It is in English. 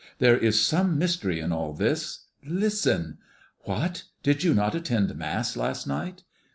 There is some mystery in all this. Listen. What! Did you not attend Mass last night?